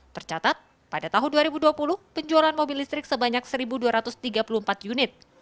tercatat pada tahun dua ribu dua puluh penjualan mobil listrik sebanyak satu dua ratus tiga puluh empat unit